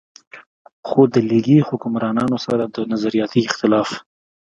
خو د ليګي حکمرانانو سره د نظرياتي اختلاف